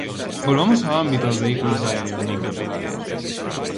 Volvamos ao ámbito dos vehículos aéreos non tripulados.